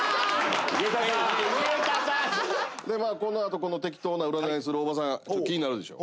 このあとこの適当な占いするおばさん気になるでしょ